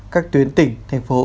các tuyến tỉnh thành phố